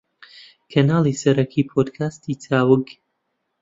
کەناڵی سەرەکی پۆدکاستی چاوگ